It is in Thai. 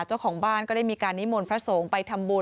เจ้าของบ้านก็ได้มีการนิมนต์พระสงฆ์ไปทำบุญ